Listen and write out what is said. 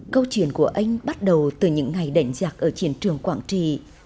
câu chuyện của anh bắt đầu từ những ngày đẩy giặc ở chiến trường quảng trì